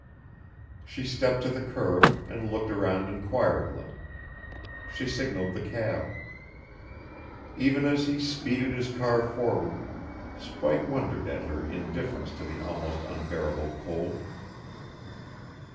She stepped to the curb and looked around inquiringly. She signalled the cab. Even as he speeded his car forward, Spike wondered at her indifference to the almost unbearable cold.